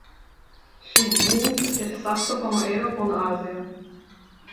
Šī ģints ir sastopama Eiropā un Āzijā.